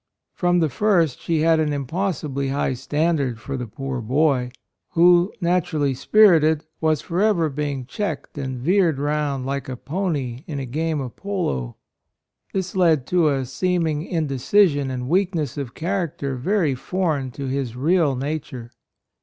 From the first she had an impossibly high 22 A ROYAL SON standard for the poor boy, who, naturally spirited, was forever being checked and veered round like a pony in a game of polo. This led to a seeming inde cision and weakness of character very foreign to his real nature.